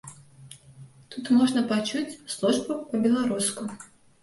Тут можна пачуць службу па-беларуску.